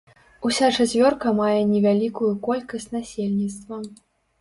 Уся чацвёрка мае невялікую колькасць насельніцтва.